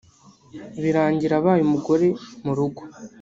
birangira abaye umugore mu rugo